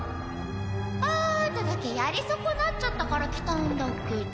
あーただけやり損なっちゃったから来たんだけど。